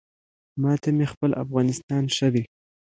ما ته مې خپل افغانستان ښه دی